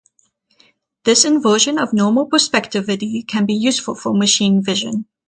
This inversion of normal perspectivity can be useful for machine vision.